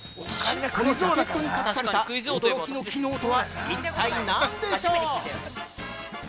このジャケットに隠された驚きの機能とは、一体なんでしょう？